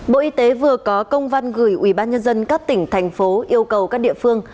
bộ y tế vừa có công văn gửi ubnd các tỉnh thành phố yêu cầu các địa phương